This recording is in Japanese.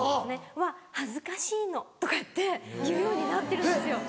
は「恥ずかしいの」とかって言うようになってるんですよ。